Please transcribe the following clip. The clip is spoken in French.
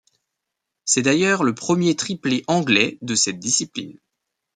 C'est d'ailleurs le premier triplé anglais dans cette discipline.